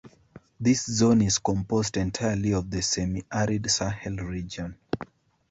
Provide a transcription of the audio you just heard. This zone is composed entirely of the semi-arid Sahel region.